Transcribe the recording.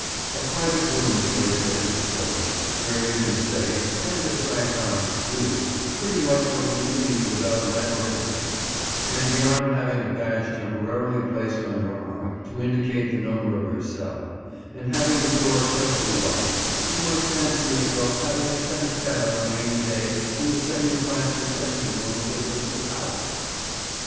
A private room is placed at your disposal, where you can say (and, as I found, do) pretty much what you please without let or hindrance; and beyond having a badge temporarily placed on your arm to indicate the number of your cell, and having the door carefully locked, you might fancy yourself having a tête à tête on a rainy day in the second class refreshment room of the Crystal Palace.